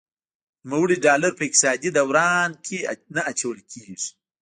نوموړي ډالر په اقتصادي دوران کې نه اچول کیږي.